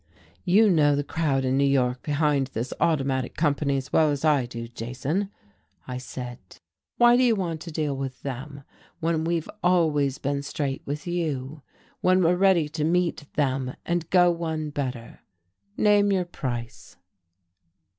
"You know the crowd in New York behind this Automatic company as well as I do, Jason," I said. "Why do you want to deal with them when we've always been straight with you, when we're ready to meet them and go one better? Name your price."